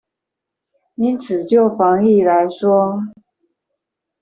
因此就防疫來說